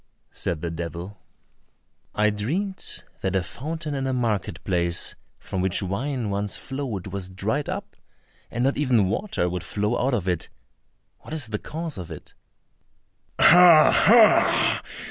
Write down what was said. said the devil. "I dreamed that a fountain in a market place from which wine once flowed was dried up, and not even water would flow out of it; what is the cause of it?" "Oh, ho!